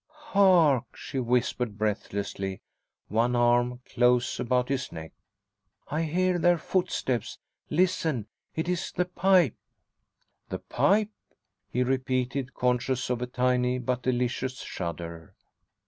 "Hark!" she whispered breathlessly, one arm close about his neck. "I hear their footsteps. Listen! It is the pipe!" "The pipe !" he repeated, conscious of a tiny but delicious shudder.